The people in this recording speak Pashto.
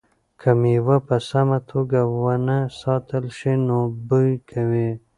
که مېوه په سمه توګه ونه ساتل شي نو بوی کوي.